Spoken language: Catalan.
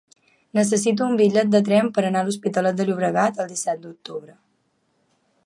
Necessito un bitllet de tren per anar a l'Hospitalet de Llobregat el disset d'octubre.